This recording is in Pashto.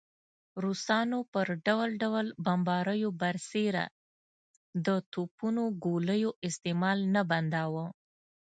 روسانو پر ډول ډول بمباریو برسېره د توپونو ګولیو استعمال نه بنداوه.